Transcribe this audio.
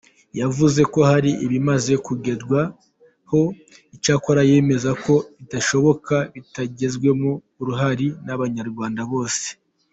Yavuze ko hari ibimaze kugerwaho, icyakora yemeza ko bitashoboka bitagizwemo uruhare n’abanyarwanda bose.